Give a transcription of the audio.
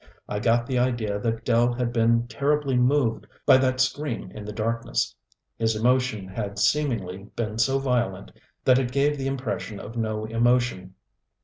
I got the idea that Dell had been terribly moved by that scream in the darkness. His emotion had seemingly been so violent that it gave the impression of no emotion.